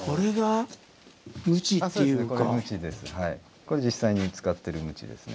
これ実際に使ってるムチですね。